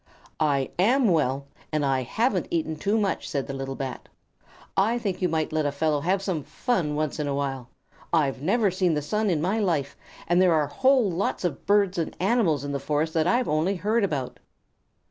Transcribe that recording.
"I am well, and I haven't eaten too much," said the little Bat. "I think you might let a fellow have some fun once in a while. I've never seen the sun in my life, and there are whole lots of birds and animals in the forest that I've only heard about."